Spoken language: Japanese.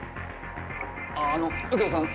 ああの右京さん